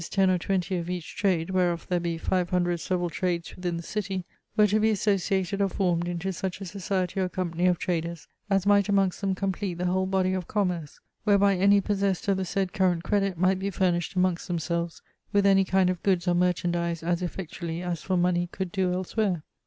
10 or 20 of each trade, wherof there be 500 severall trades within the citty) were to be associated or formed into such a society or company of traders as might amongst them compleat the whole body of commerce, whereby any possest of the said current credit might be furnisht amongst themselves with any kind of goods or merchandise as effectually as for money could do elsewhere.